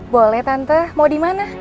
boleh tante mau dimana